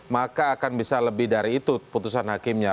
maka akan bisa lebih dari itu putusan hakimnya